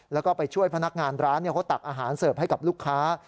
แล้วก็ไปช่วยพนักงานร้านเขาตักอาหารเสิร์ฟให้กับลูกค้า